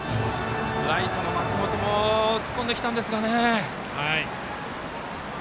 ライトの松本も突っ込んできたんですが。